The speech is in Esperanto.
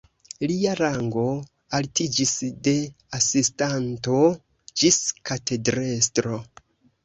Lia rango altiĝis de asistanto ĝis katedrestro.